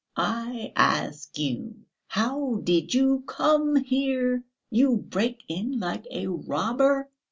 "I ask you: how did you come here? You break in like a robber...."